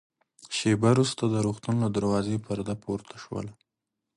شېبه وروسته د روغتون له دروازې پرده پورته شول.